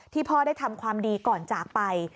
พ่อได้ทำความดีก่อนจากไป